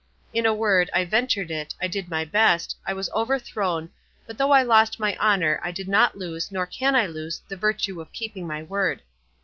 In a word, I ventured it, I did my best, I was overthrown, but though I lost my honour I did not lose nor can I lose the virtue of keeping my word.